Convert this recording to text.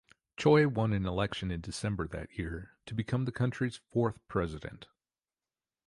Choi won an election in December that year to become the country's fourth president.